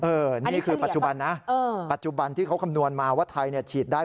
นี่คือปัจจุบันนะปัจจุบันที่เขาคำนวณมาว่าไทยฉีดได้